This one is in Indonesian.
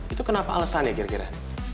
itu kenapa alasannya kira kira